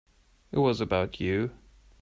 It was about you.